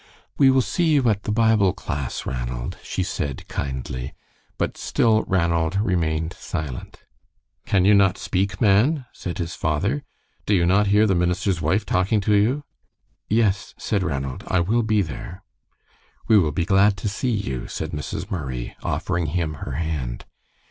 "We will see you at the Bible class, Ranald," she said, kindly, but still Ranald remained silent. "Can you not speak, man?" said his father. "Do you not hear the minister's wife talking to you?" "Yes," said Ranald, "I will be there." "We will be glad to see you," said Mrs. Murray, offering him her hand.